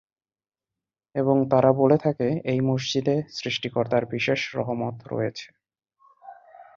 এবং তারা বলে থাকে, এই মসজিদে সৃষ্টিকর্তার বিশেষ রহমত রয়েছে।